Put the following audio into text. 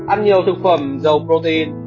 ăn nhiều thực phẩm dầu protein